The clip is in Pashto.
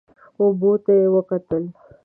اوبو ته یې وکتل.